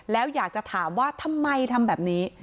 แล้วอยากจะถามว่าทำไมทำแบบนี้